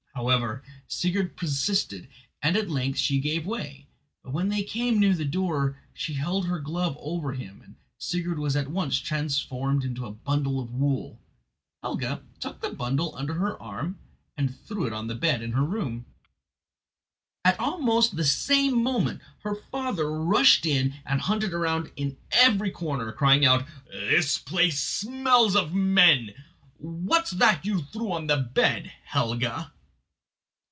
However, Sigurd persisted, and at length she gave way; but when they came near the door she held her glove over him and Sigurd was at once transformed into a bundle of wool. Helga tucked the bundle under her arm and threw it on the bed in her room. Almost at the same moment her father rushed in and hunted round in every corner, crying out: "This place smells of men. What's that you threw on the bed, Helga?"